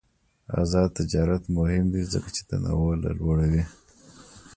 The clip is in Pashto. آزاد تجارت مهم دی ځکه چې تنوع لوړوی.